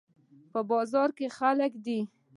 په بازار کې خلک دي